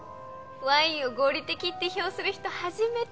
ワインを合理的って評する人初めて。